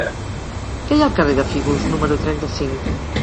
Què hi ha al carrer de Fígols número trenta-cinc?